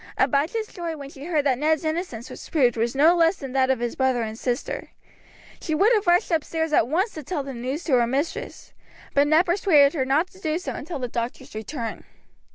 Abijah's joy when she heard that Ned's innocence was proved was no less than that of his brother and sister. She would have rushed upstairs at once to tell the news to her mistress, but Ned persuaded her not to do so until the doctor's return.